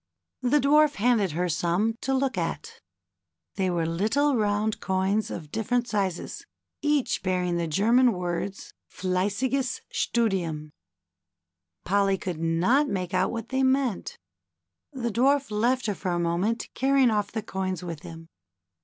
The Dwarf handed her some to look at. They were little round coins of different sizes, each bearing the German words, " Fleissiges Studiiini" Polly could not make out what they meant. The Dwarf left her for a moment carrying off the coins with him.